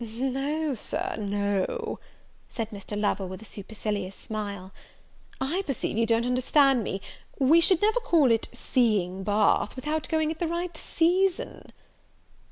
"No, Sir, no," said Mr. Lovel, with a supercilious smile, "I perceive you don't understand me; we should never call it seeing Bath, without going at the right season."